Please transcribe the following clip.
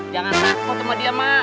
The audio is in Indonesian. jangan takut sama dia mah